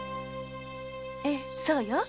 ええそうよ。